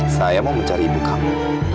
saya mau mencari ibu kamu